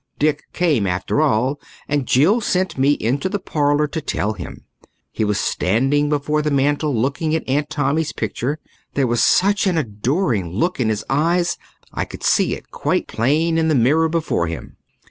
Dick came after all, and Jill sent me into the parlour to tell him. He was standing before the mantel looking at Aunt Tommy's picture. There was such an adoring look in his eyes. I could see it quite plain in the mirror before him.